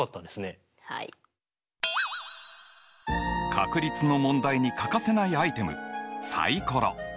確率の問題に欠かせないアイテムサイコロ。